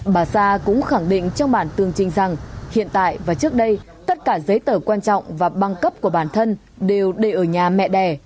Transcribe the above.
bà sa cũng khẳng định trong bản tường trình rằng hiện tại và trước đây tất cả giấy tờ quan trọng và băng cấp của bản thân đều để ở nhà mẹ đẻ